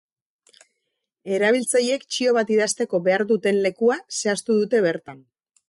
Erabiltzaileek txio bat idazteko behar duten lekua zehaztu dute bertan.